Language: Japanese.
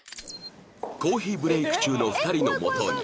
コーヒーブレイク中の２人のもとに